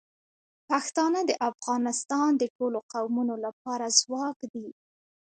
پښتانه د افغانستان د ټولو قومونو لپاره ځواک دي.